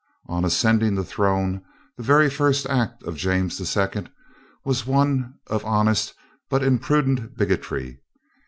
On ascending the throne, the very first act of James II. was one of honest but imprudent bigotry.